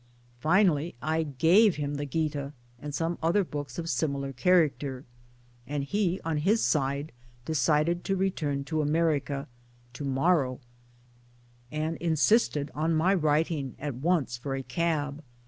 Finally I gave him the Gita, and some other books of similar character. And he on his side decided to return to America " to morrow " and in sisted on my writing at once for a cab.